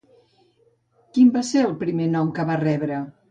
Quin va ser el primer nom que va rebre?